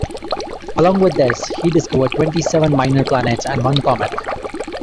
Along with this, he discovered twenty-seven minor planets and one comet.